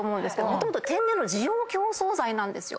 もともと天然の滋養強壮剤なんですよ。